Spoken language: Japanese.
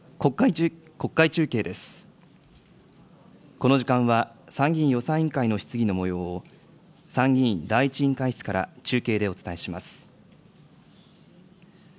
この時間は、参議院予算委員会の質疑のもようを、参議院第１委員会室から中継でお伝えします。